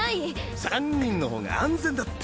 三人の方が安全だって。